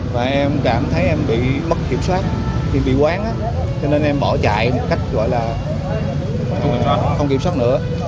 và em cảm thấy em bị mất kiểm soát thì bị quán á cho nên em bỏ chạy một cách gọi là không kiểm soát nữa